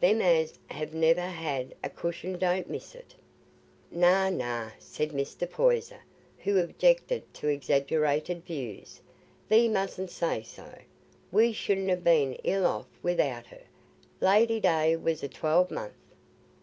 Them as ha' never had a cushion don't miss it." "Nay, nay," said Mr. Poyser, who objected to exaggerated views. "Thee mustna say so; we should ha' been ill off wi'out her, Lady day was a twelvemont'.